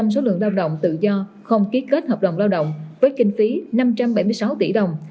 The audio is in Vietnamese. một trăm linh số lượng lao động tự do không ký kết hợp đồng lao động với kinh phí năm trăm bảy mươi sáu tỷ đồng